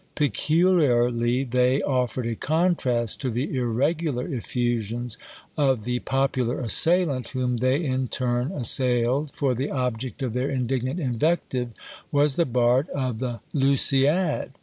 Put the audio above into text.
Peculiarly they offered a contrast to the irregular effusions of the popular assailant whom they in turn assailed, for the object of their indignant invective was the bard of the "Lousiad."